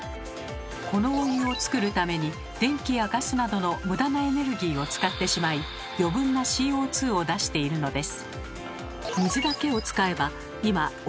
このお湯を作るために電気やガスなどの無駄なエネルギーを使ってしまい余分なＣＯを出しているのです。